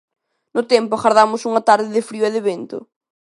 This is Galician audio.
No tempo, agardamos unha tarde de frío e de vento.